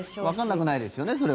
わかんなくないですよね